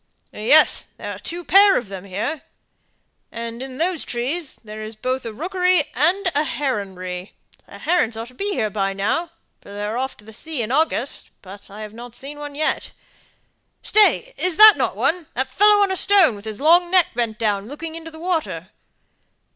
"Yes; there are two pair of them here. And in those trees there's both a rookery and a heronry; the herons ought to be here by now, for they're off to the sea in August, but I've not seen one yet. Stay! isn't that one that fellow on a stone, with his long neck bent down, looking into the water?"